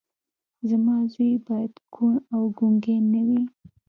زما زوی باید کوڼ او ګونګی نه وي